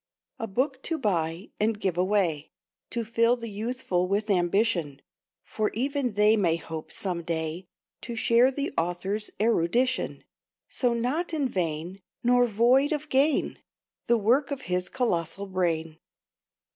A book to buy and give away, To fill the youthful with ambition, For even they may hope, some day, To share the Author's erudition; So not in vain, nor void of gain, The work of his colossal brain.